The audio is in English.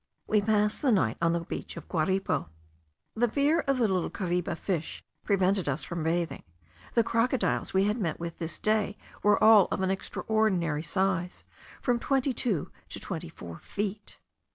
We passed the night on the beach of Guaripo. The fear of the little caribe fish prevented us from bathing. The crocodiles we had met with this day were all of an extraordinary size, from twenty two to twenty four feet.